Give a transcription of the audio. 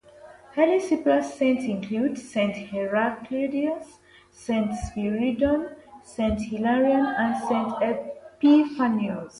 Early Cypriot Saints include: Saint Heracleidius, Saint Spiridon, Saint Hilarion and Saint Epiphanius.